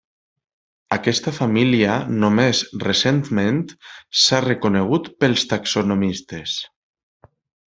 Aquesta família només recentment s'ha reconegut pels taxonomistes.